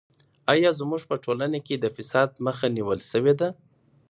ایا زموږ په ټولنه کې د فساد مخه نیول سوې ده؟